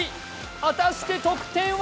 果たして得点は？